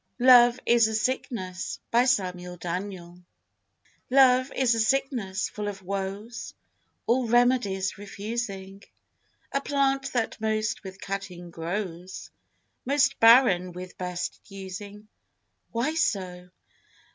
Samuel Daniel. LOVE IS A SICKNESS. Love is a sickness full of woes, All remedies refusing; A plant that most with cutting grows, Most barren with best using. Why so?